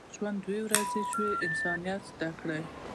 ژوند دوه ورځې شي، انسانیت زده کړه.